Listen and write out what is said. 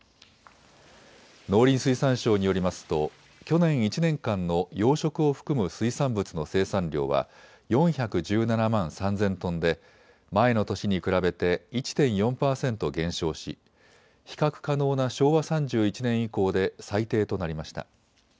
農林水産省によりますと去年１年間の養殖を含む水産物の生産量は４１７万３０００トンで前の年に比べて１．４％減少し比較可能な昭和３１年以降で最低となりました。